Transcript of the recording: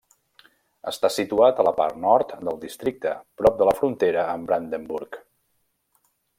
Està situat a la part nord del districte, prop de la frontera amb Brandenburg.